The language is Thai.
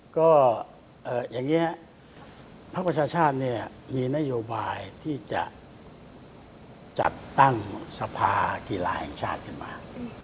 ก็อย่างนี้พักประชาชาติเนี่ยมีนโยบายที่จะจัดตั้งสภากีฬาแห่งชาติขึ้นมา